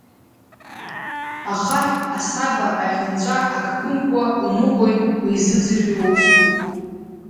Ахаҳә, асаба, аҳәынҵәа ак ԥымкуа, уныҟәоит, уизыӡырҩуа узтәу.